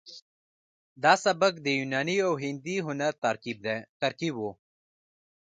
دا سبک د یوناني او هندي هنر ترکیب و